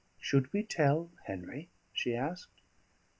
"Should we tell Henry?" she asked.